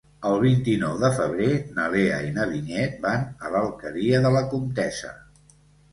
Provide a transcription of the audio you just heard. El vint-i-nou de febrer na Lea i na Vinyet van a l'Alqueria de la Comtessa.